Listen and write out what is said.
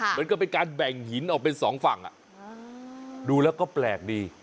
เหมือนกับเป็นการแบ่งหินออกเป็นสองฝั่งดูแล้วก็แปลกดี